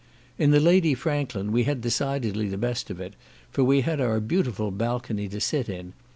In the Lady Franklin we had decidedly the best of it, for we had our beautiful balcony to sit in.